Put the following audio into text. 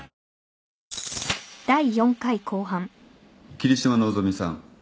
桐島希美さん